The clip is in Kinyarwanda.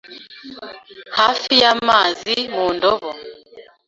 Hafi y'amazi mu ndobo.